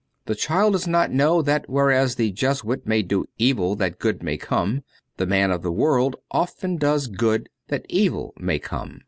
The child does not know that whereas the Jesuit may do evil that good may come, the man of the world often does good that evil may come.